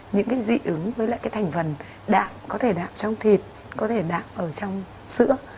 những cái dị ứng với lại cái thành phần đạm có thể đạm trong thịt có thể nạm ở trong sữa